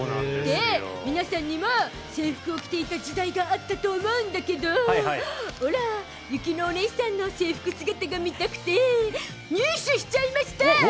皆さんにも制服を着ていた時代があったと思うんだけどオラ、雪乃おねいさんの制服姿が見たくて、入手しちゃいました！